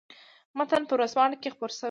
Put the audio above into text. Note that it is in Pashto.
متن په ورځپاڼه کې خپور شوی دی.